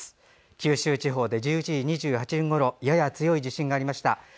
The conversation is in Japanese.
九州地方で１１時２８分ごろやや強い地震がありました。